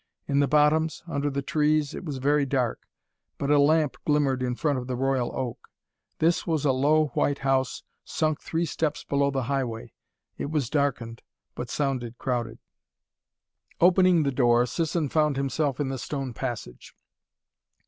In the bottoms, under the trees, it was very dark. But a lamp glimmered in front of the "Royal Oak." This was a low white house sunk three steps below the highway. It was darkened, but sounded crowded. Opening the door, Sisson found himself in the stone passage.